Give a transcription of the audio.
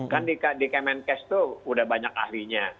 kan di kemenkes itu udah banyak ahlinya